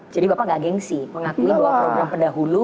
jadi bapak nggak gengsi mengakui bahwa program pendahulu